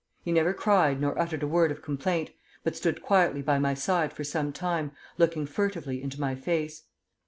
He never cried nor uttered a word of complaint, but stood quietly by my side for some time, looking furtively into my face.